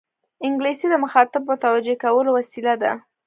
انګلیسي د مخاطب متوجه کولو وسیله ده